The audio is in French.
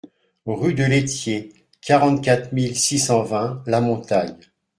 Rue de l'Étier, quarante-quatre mille six cent vingt La Montagne